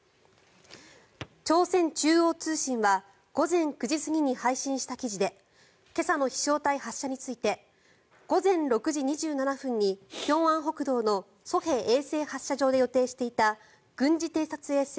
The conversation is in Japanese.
朝鮮中央通信は午前９時過ぎに配信した記事で今朝の飛翔体発射について午前６時２７分に平安北道の西海衛星発射場で予定していた軍事偵察衛星